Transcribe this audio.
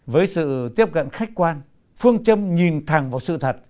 với sự tiếp cận khách quan phương châm nhìn thẳng vào sự thật